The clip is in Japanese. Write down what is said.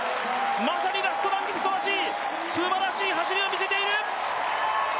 まさにラストランにふさわしいすばらしい走りを見せている。